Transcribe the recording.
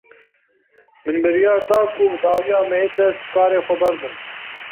Min biryar da ku dawiya mehê dest ji karê xwe berdim.